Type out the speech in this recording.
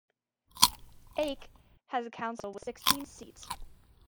Aach has a council with sixteen seats.